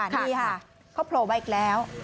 นี่ค่ะเขาโผล่มาอีกแล้ว